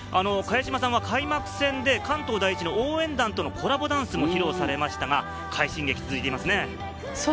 茅島さんは開幕戦で関東第一の応援団とのコラボダンスも披露されましたが、快進撃が続いていますね。